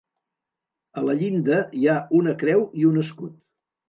A la llinda hi ha una creu i un escut.